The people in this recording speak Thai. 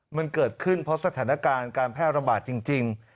มันเกิดขึ้นเพราะสถานการณ์การแพร่ระบาดจริง